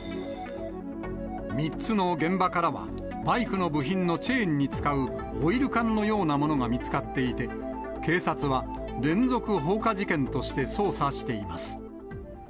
３つの現場からは、バイクの部品のチェーンに使うオイル缶のようなものが見つかっていて、警察は連続放火事件として捜査しています。